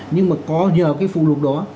nhưng mà có nhờ cái phụ lục đó